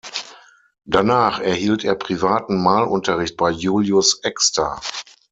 Danach erhielt er privaten Malunterricht bei Julius Exter.